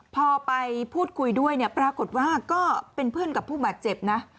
พอไปพูดคุยด้วยเนี่ยปรากฏว่าก็เป็นเพื่อนกับผู้บาดเจ็บนะ